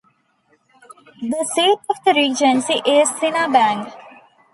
The seat of the regency is Sinabang.